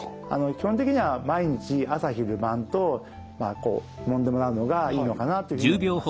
基本的には毎日朝昼晩とこうもんでもらうのがいいのかなというふうに思います。